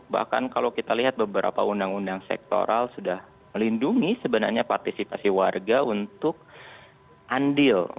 bahkan kalau kita lihat beberapa undang undang sektoral sudah melindungi sebenarnya partisipasi warga untuk andil